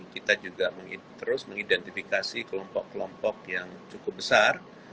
kita juga terus mengidentifikasi kelompok kelompok yang cukup besar